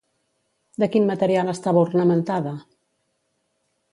De quin material estava ornamentada?